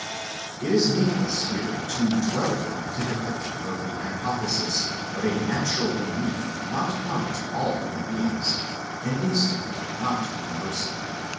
It is needless here to dwell upon the difficulty of the hypothesis of a natural belief not common to all human beings, an instinct not universal.